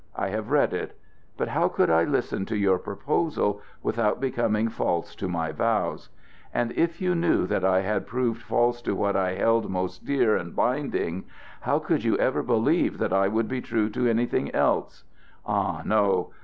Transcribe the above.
I have read it. But how could I listen to your proposal without becoming false to my vows? And if you knew that I had proved false to what I held most dear and binding, how could you ever believe that I would be true to anything else? Ah, no!